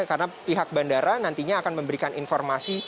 karena pihak bandara nantinya akan memberikan informasi